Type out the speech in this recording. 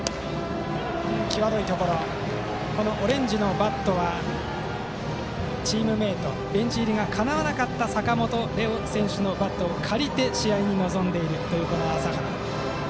オレンジのバットはチームメートであるベンチ入りがかなわなかった坂本劣陽選手のバットを借りて試合に臨んでいるという麻原。